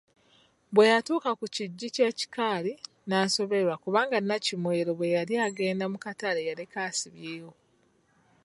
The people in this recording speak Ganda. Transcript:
Bwe yatuuka ku kiggyi ky’ekikaali, n’asoberwa kuba Nnakimwero bwe yali agenda mu katale yaleka asibyewo.